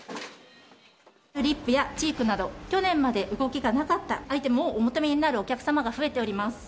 リップやチークなど、去年まで動きがなかったアイテムをお求めになるお客様が増えております。